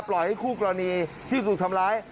ปล่อยให้คู่กรณีที่ถูกทำร้าย